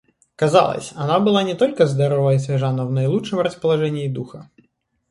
Казалось, она была не только здорова и свежа, но в наилучшем расположении духа.